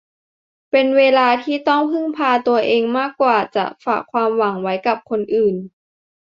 เป็นเวลาที่ต้องพึ่งพาตัวเองมากกว่าจะฝากความหวังไว้กับคนอื่น